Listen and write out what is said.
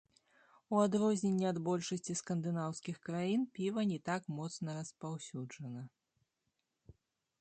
У адрозненне ад большасці скандынаўскіх краін піва не так моцна распаўсюджана.